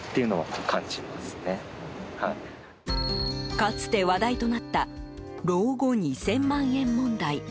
かつて話題となった老後２０００万円問題。